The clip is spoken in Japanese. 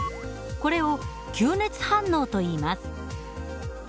これを吸熱反応といいます。